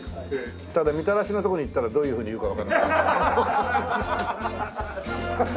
ただみたらしのところに行ったらどういうふうに言うかわからない。